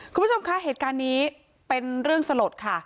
คุณผู้ชมคะเหตุการณ์นี้เป็นเรื่องสลดค่ะ